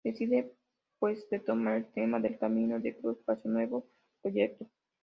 Decide pues de tomar el tema del camino de cruz para su nuevo proyecto.